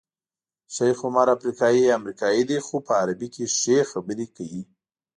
شیخ عمر افریقایی امریکایی دی خو په عربي کې ښې خبرې کوي.